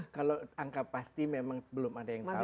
kalau angka pasti memang belum ada yang tahu